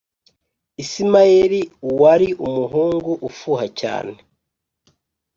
Ismael uari umuhungu ufuha cyan